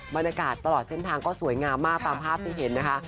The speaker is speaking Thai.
บรรยากาศตลอดเส้นทางก็สวยงามมากตามภาพที่เห็นนะคะ